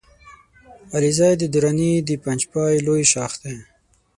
علیزی د دراني د پنجپای لوی ښاخ دی